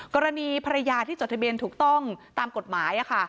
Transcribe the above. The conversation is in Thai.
กรณีภรรยาที่จดทะเบียนถูกต้องตามกฎหมาย